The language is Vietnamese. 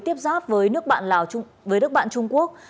tiếp giáp với nước bạn trung quốc